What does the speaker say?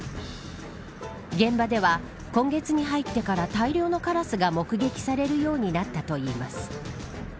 現場では今月に入ってから大量のカラスが目撃されるようになったといいます。